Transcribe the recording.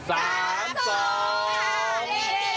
สังสม